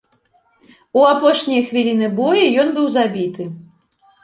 У апошнія хвіліны бою ён быў забіты.